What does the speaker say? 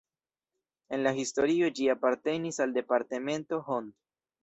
En la historio ĝi apartenis al departemento Hont.